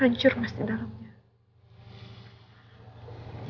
hancur mas di dalamnya